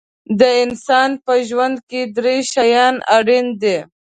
د انسان په ژوند کې درې شیان اړین دي.